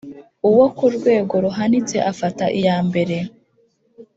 uwo ku rwego ruhanitse afata iyambere